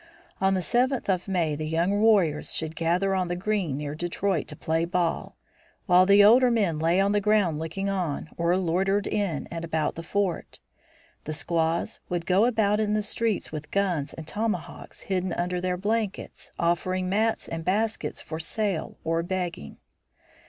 On the seventh of May the young warriors should gather on the green near Detroit to play ball, while the older men lay on the ground looking on, or loitered in and about the fort. The squaws should go about the streets with guns and tomahawks hidden under their blankets, offering mats and baskets for sale, or begging.